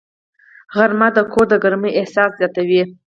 غرمه د کور د ګرمۍ احساس زیاتوي